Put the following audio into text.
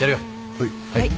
はい。